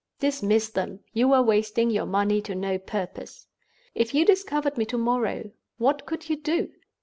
Dismiss them—you are wasting your money to no purpose. If you discovered me to morrow, what could you do?